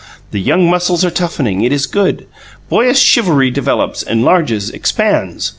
The young muscles are toughening. It is good. Boyish chivalry develops, enlarges, expands.